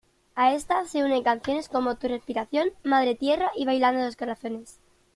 A esta se unen canciones como Tu respiración, Madre tierra y Bailando dos corazones.